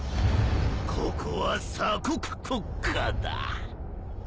ここは鎖国国家だ。